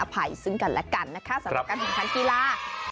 เพื่อทิ้งท้าย